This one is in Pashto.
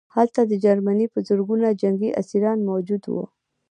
هلته د جرمني په زرګونه جنګي اسیران موجود وو